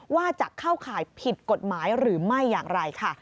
ว่าจะเข้าข่ายผิดกฎหมายหรือไม่อย่างไรค่ะ